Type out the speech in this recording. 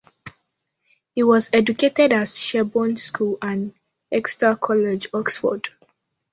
He was educated at Sherborne School and Exeter College, Oxford.